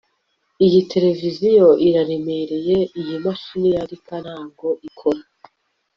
Iyi televiziyo iraremereye Iyi mashini yandika ntabwo ikora